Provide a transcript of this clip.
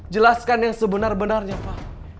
jelaskan yang sebenar benarnya pak